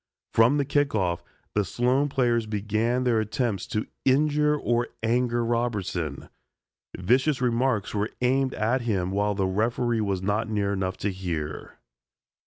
From the kick off, the Sloan players began their attempts to injure or anger Robertson. Vicious remarks were aimed at him while the referee was not near enough to hear.